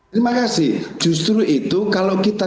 terima kasih justru itu kalau kita